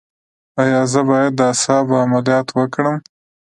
ایا زه باید د اعصابو عملیات وکړم؟